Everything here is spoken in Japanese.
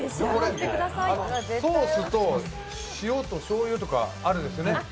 ソースと塩としょうゆとかあるんですよね。